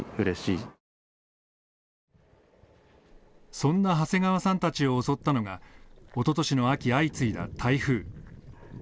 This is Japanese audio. そんな長谷川さんたちを襲ったのがおととしの秋、相次いだ台風。